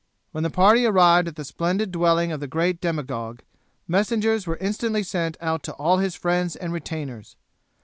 When the party arrived at the splendid dwelling of the great demagogue, messengers were instantly sent out to all his friends and retainers.